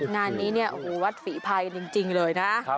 งานนี้เนี่ยวัดฝีภายกันจริงเลยนะ